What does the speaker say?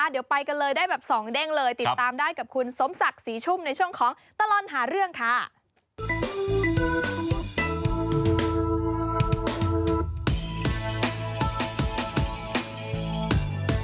เดี๋ยวไปกันเลยได้แบบสองเด้งเลยติดตามได้กับคุณสมศักดิ์ศรีชุ่มในช่วงของตลอดหาเรื่องค่ะ